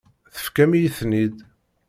Tefkam-iyi-ten-id.